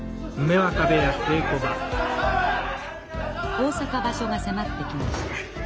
大阪場所が迫ってきました。